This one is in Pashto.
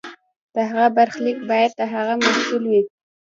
د هغه برخلیک باید د هغه محصول وي.